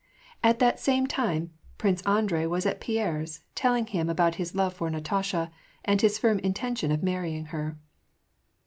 At that same time, Prince Andrei was at Pierre's, telling him about his love for Natasha, and his firm intention of mar rying her.